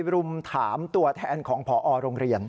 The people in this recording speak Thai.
รุมถามตัวแทนของพอโรงเรียน